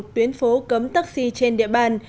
một mươi một tuyến phố cấm taxi trên địa bàn